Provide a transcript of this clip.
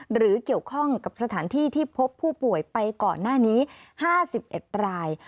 หรือเกี่ยวข้องกับสถานที่ที่พบผู้ป่วยไปก่อนหน้านี้๕๑ราย